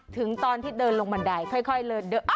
ถึงตอนที่เดินลงบันไดค่อยเลย